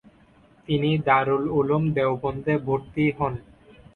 তিনি দারুল উলুম দেওবন্দে ভর্তি হন।